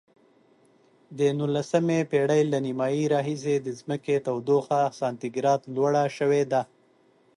د نولسمې پیړۍ له نیمایي راهیسې د ځمکې تودوخه سانتي ګراد لوړه شوې ده.